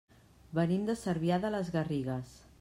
Venim de Cervià de les Garrigues.